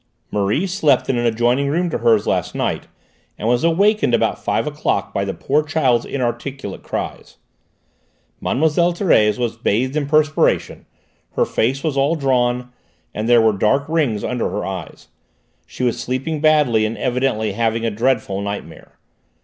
Marie slept in an adjoining room to hers last night, and was awakened about five o'clock by the poor child's inarticulate cries. Mlle. Thérèse was bathed in perspiration; her face was all drawn and there were dark rings under her eyes; she was sleeping badly and evidently having a dreadful nightmare.